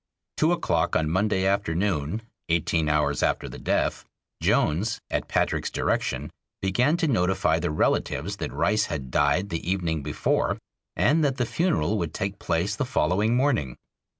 Two o'clock on Monday afternoon, eighteen hours after the death, Jones, at Patrick's direction, began to notify the relatives that Rice had died the evening before, and that the funeral would take place the following morning.